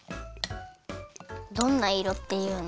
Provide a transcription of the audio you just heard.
どんないろっていうの？